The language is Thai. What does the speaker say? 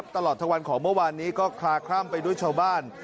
ตลอดทั้งวันของเมื่อวานนี้ก็คลาคล่ำไปด้วยชาวบ้าน